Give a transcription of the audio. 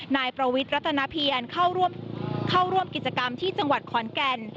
นายประวิทย์รัฐนาเพียรเข้าร่วมกิจกรรมที่จังหวัดขอนแก่น